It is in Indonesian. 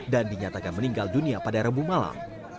dan dinyatakan meninggal dunia pada rabu malam